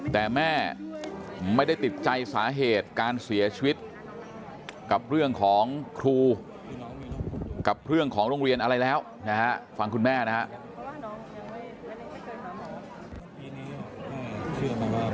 แต่แม่ไม่ได้ติดใจสาเหตุการเสียชีวิตกับเรื่องของครูกับเรื่องของโรงเรียนอะไรแล้วนะฮะฟังคุณแม่นะครับ